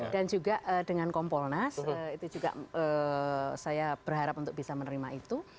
dan juga dengan komponas itu juga saya berharap untuk bisa menerima itu